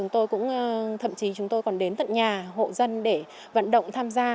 thậm chí chúng tôi còn đến tận nhà hộ dân để vận động tham gia